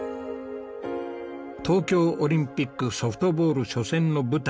東京オリンピックソフトボール初戦の舞台